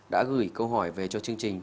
đã gửi câu hỏi về cho chương trình